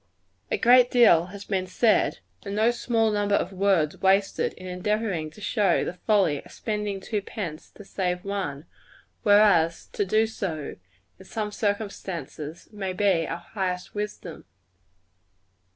A great deal has been said, and no small number of words wasted, in endeavoring to show the folly of spending two pence to save one; whereas, to do so, in some circumstances, may be our highest wisdom.